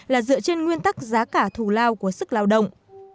là dựa trên nguyên tắc giá cả thù lao của sức lao động